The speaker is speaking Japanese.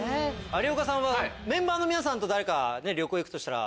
有岡さんはメンバーの皆さんと誰か旅行行くとしたら。